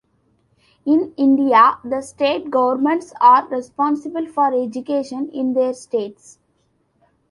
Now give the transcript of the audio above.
In India, the state governments are responsible for education in their states.